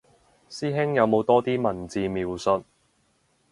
師兄有冇多啲文字描述